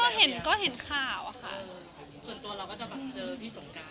ก็เห็นก็เห็นข่าวอะค่ะส่วนตัวเราก็จะแบบเจอพี่สงการ